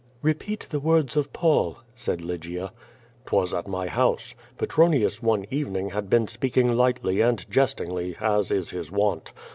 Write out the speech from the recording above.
"Repeat the words of Paul," said Lygia. "'Twas at my house. Petronius one evening had been speaking lightly and jestingly as is his wont.